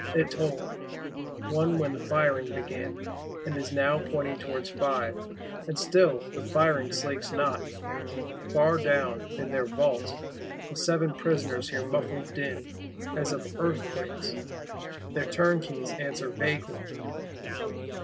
It tolled One when the firing began; and is now pointing towards Five, and still the firing slakes not.—Far down, in their vaults, the seven Prisoners hear muffled din as of earthquakes; their Turnkeys answer vaguely.